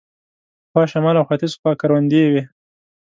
پخوا شمال او ختیځ خوا کروندې وې.